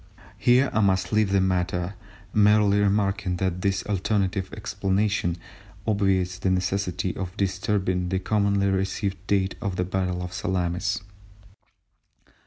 Here I must leave the matter, merely remarking that this alternative explanation obviates the necessity for disturbing the commonly received date of the battle of Salamis.